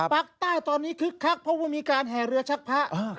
ภาคใต้ตอนนี้คึกคักเพราะว่ามีการแห่เรือชักพระ